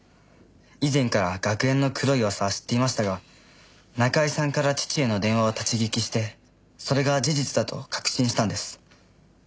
以前から学園の黒い噂は知っていましたが中居さんから父への電話を立ち聞きしてそれが事実だと確信したんです。